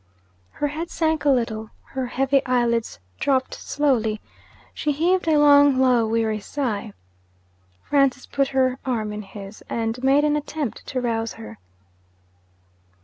Her head sank a little; her heavy eyelids dropped slowly; she heaved a long low weary sigh. Francis put her arm in his, and made an attempt to rouse her.